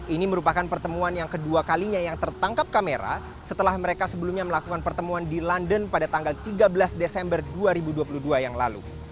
ini merupakan pertemuan yang kedua kalinya yang tertangkap kamera setelah mereka sebelumnya melakukan pertemuan di london pada tanggal tiga belas desember dua ribu dua puluh dua yang lalu